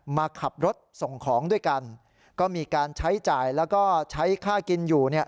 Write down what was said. มาขับรถส่งของด้วยกันก็มีการใช้จ่ายแล้วก็ใช้ค่ากินอยู่เนี่ย